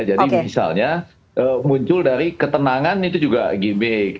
jadi misalnya muncul dari ketenangan itu juga gimmick